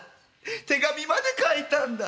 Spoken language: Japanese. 手紙まで書いたんだ」。